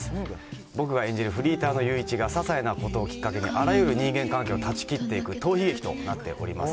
僕が演じるフリーターの裕一がささいなことをきっかけにあらゆる人間関係を断ち切っていく逃避劇となっております。